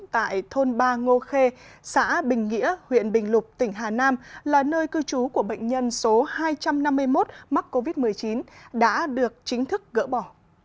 tại thôn ba ngô khê xã bình nghĩa huyện bình lục tỉnh hà nam là nơi cư trú của bệnh nhân số hai trăm năm mươi một mắc covid một mươi chín đã được chính thức gỡ bỏ